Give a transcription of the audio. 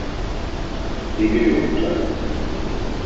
Demiryolu caddesi